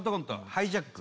「ハイジャック」